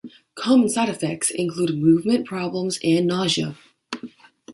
Common side effects include movement problems and nausea.